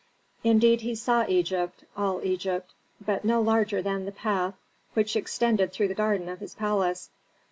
Indeed he saw Egypt, all Egypt, but no larger than the path which extended through the garden of his palace.